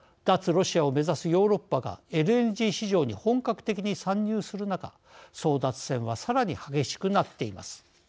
ロシアを目指すヨーロッパがＬＮＧ市場に本格的に参入する中争奪戦は、さらに激しくなっています。